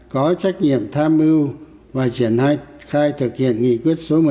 có trách nhiệm tham mưu và triển khai thực hiện nghị quyết số một mươi hai của bộ chính trị